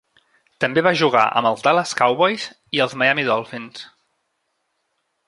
També va jugar amb els Dallas Cowboys i els Miami Dolphins.